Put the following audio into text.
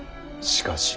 しかし。